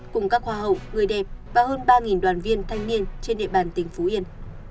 cùng các hoa hậu người đẹp và hơn ba đoàn viên thanh niên trên địa bàn tỉnh phú yên